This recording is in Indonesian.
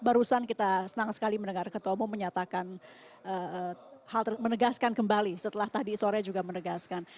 barusan kita senang sekali mendengar ketemu menyatakan menegaskan kembali setelah tadi sore juga menegaskan